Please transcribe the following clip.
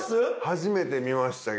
⁉初めて見ましたけど。